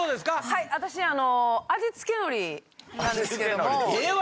はい私あの味付け海苔なんですけども。ええわ！